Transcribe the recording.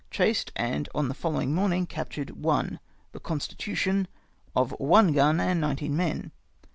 Chased, and on the following morning captured one, the Constitution, of one gun and nineteen men.